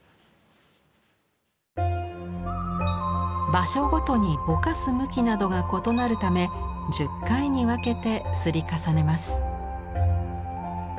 場所ごとにぼかす向きなどが異なるため１０回に分けて摺り重ねます。